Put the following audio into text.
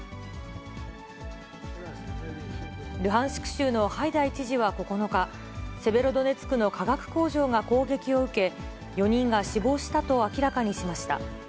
州のハイダイ知事は９日、セベロドネツクの化学工場が攻撃を受け、４人が死亡したと明らかにしました。